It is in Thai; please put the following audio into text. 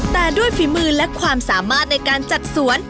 แต่ด้วยฝีมือและความสามารถในการจัดสวน